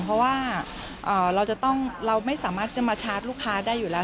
เพราะว่าเราจะต้องเราไม่สามารถจะมาชาร์จลูกค้าได้อยู่แล้ว